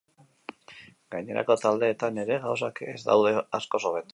Gainerako taldeetan ere, gauzak ez daude askoz hobeto.